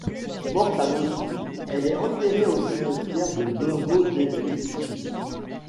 Morte à Moscou elle est enterrée au cimetière de Novodevitchi.